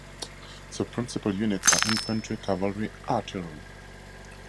The principal units are infantry, cavalry, artillery.